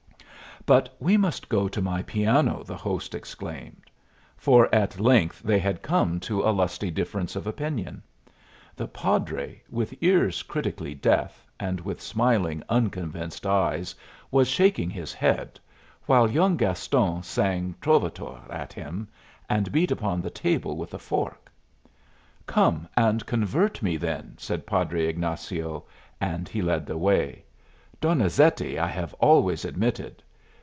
"But we must go to my piano," the host exclaimed. For at length they had come to a lusty difference of opinion. The padre, with ears critically deaf, and with smiling, unconvinced eyes, was shaking his head, while young Gaston sang "Trovatore" at him, and beat upon the table with a fork. "Come and convert me, then," said Padre Ignazio, and he led the way. "Donizetti I have always admitted.